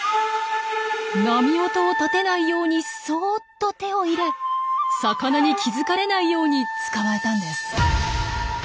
波音を立てないようにそっと手を入れ魚に気付かれないように捕まえたんです。